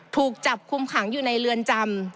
ถูกจับคุมขังอยู่ในเรือนจำ